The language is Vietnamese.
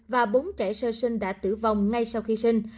và bốn trẻ sơ sinh đã tử vong ngay sau khi sinh